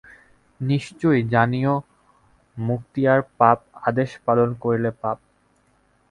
নিশ্চয়ই জানিয়ো মুক্তিয়ার, পাপ আদেশ পালন করিলে পাপ।